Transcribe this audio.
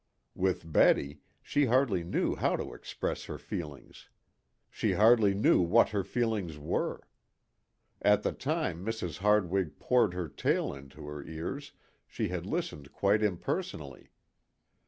With Betty, she hardly knew how to express her feelings. She hardly knew what her feelings were. At the time Mrs. Hardwig poured her tale into her ears she had listened quite impersonally.